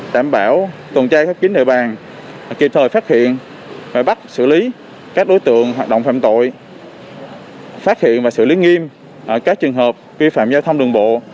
đảm bảo tuần tra khép kính địa bàn kịp thời phát hiện và bắt xử lý các đối tượng hoạt động phạm tội phát hiện và xử lý nghiêm các trường hợp vi phạm giao thông đường bộ